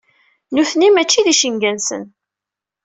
Nutni mačči d icenga-nsen.